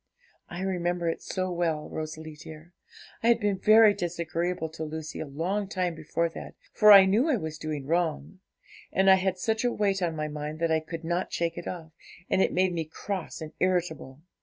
I remember it so well, Rosalie dear; I had been very disagreeable to Lucy a long time before that, for I knew I was doing wrong, and I had such a weight on my mind that I could not shake it off, and it made me cross and irritable.